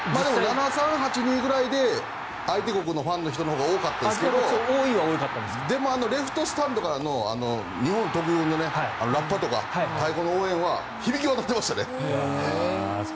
７対３、８対２くらいで相手国のファンの人のほうが多かったですがでもレフトスタンドからの日本特有のラッパとか太鼓の応援は響き渡ってましたね。